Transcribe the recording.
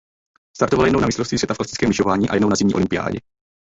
Startoval jednou na mistrovství světa v klasickém lyžování a jednou na zimní olympiádě.